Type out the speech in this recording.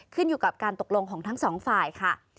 ขึ้นอยู่กับการตกลงของทั้งสองฝ่ายค่ะ